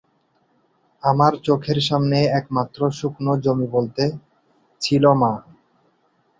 আর চোখের সামনে একমাত্র শুকনো জমি বলতে, ছিল মা।